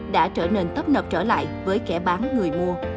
đã trở nên tấp nập trở lại với kẻ bán người mua